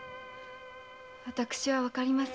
私はわかりません。